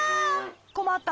こまったわ！